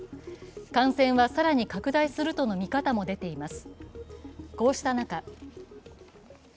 感染は更に拡大するとの見方も出ています。